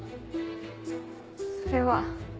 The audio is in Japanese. それは。